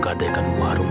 kalau sudah berdoa